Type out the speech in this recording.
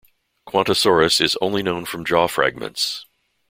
"Qantassaurus" is only known from jaw fragments.